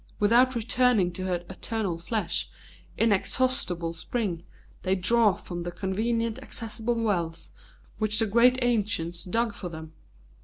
Without returning to her eternally fresh, inexhaustible spring, they draw from the conveniently accessible wells which the great ancients dug for them."